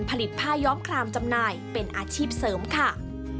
ผลิตผ้าย้อมคลามจำหน่ายเป็นอาชีพเสริมค่ะ